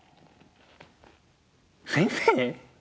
先生！？